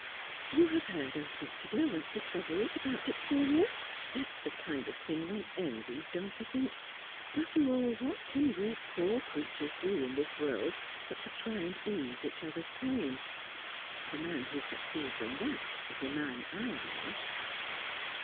"You have heard of Dr. Derwent's discoveries about diphtheria? That's the kind of thing one envies, don't you think? After all, what can we poor creatures do in this world, but try to ease each other's pain? The man who succeeds in that is the man I honour."